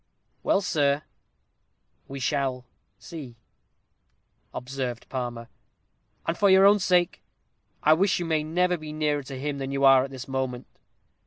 "Well, sir, we shall see," observed Palmer. "And for your own sake, I wish you may never be nearer to him than you are at this moment.